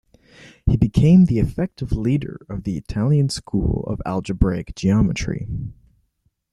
He became the effective leader of the Italian school of algebraic geometry.